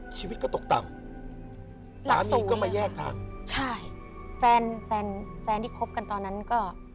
ชีวิตก็ตกต่ำสามีก็มาแยกทางใช่แฟนแฟนที่คบกันตอนนั้นก็